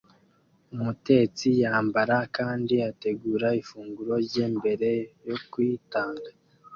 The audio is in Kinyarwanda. Umutetsi yambara kandi ategura ifunguro rye mbere yo kuyitanga